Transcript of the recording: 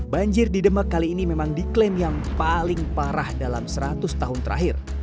banjir di demak kali ini memang diklaim yang paling parah dalam seratus tahun terakhir